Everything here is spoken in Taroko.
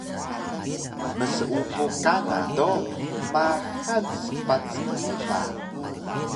mseupu kana do maxal spac pila